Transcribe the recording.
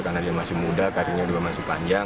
karena dia masih muda karirnya juga masih panjang